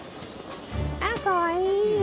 あらかわいい！